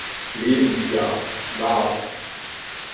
Lebensjahr wahr.